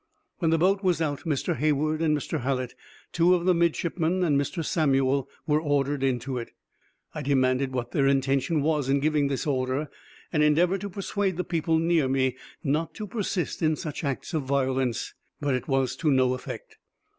When the boat was out, Mr. Hayward and Mr. Hallett, two of the midshipmen, and Mr. Samuel, were ordered into it. I demanded what their intention was in giving this order, and endeavored to persuade the people near me not to persist in such acts of violence; but it was to no effect.